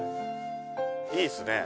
いいっすね。